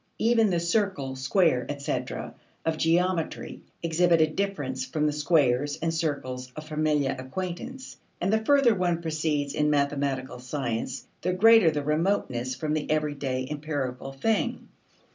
Even the circle, square, etc., of geometry exhibit a difference from the squares and circles of familiar acquaintance, and the further one proceeds in mathematical science the greater the remoteness from the everyday empirical thing.